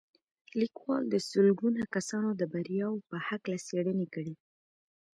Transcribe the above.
لیکوال د سلګونه کسانو د بریاوو په هکله څېړنې کړي